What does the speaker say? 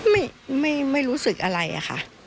ไม่ไม่รู้สึกอะไรอะค่ะ